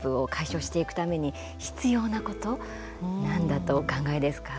ジェンダーギャップを解消していくために必要なこと何だとお考えですか？